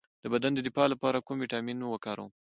د بدن د دفاع لپاره کوم ویټامین وکاروم؟